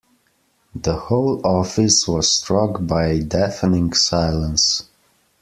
The whole office was struck by a deafening silence.